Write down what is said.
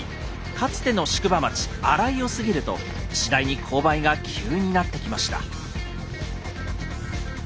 かつての宿場町荒井を過ぎると次第に勾配が急になってきました。